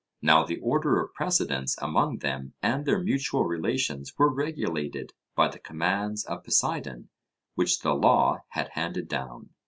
Now the order of precedence among them and their mutual relations were regulated by the commands of Poseidon which the law had handed down.